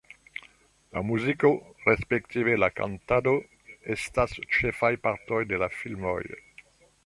La muziko, respektive la kantado estas ĉefaj partoj de la filmoj.